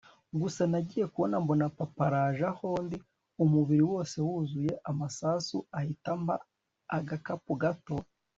gusa nagiye kubona mbona papa araje aho ndi , umubiri wose wuzuye amasasu ahita ampa agakapu gato